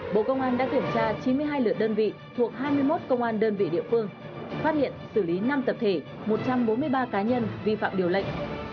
bộ công an đã kiểm tra chín mươi hai lượt đơn vị thuộc hai mươi một công an đơn vị địa phương phát hiện xử lý năm tập thể một trăm bốn mươi ba cá nhân vi phạm điều lệ